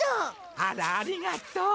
あらありがとう。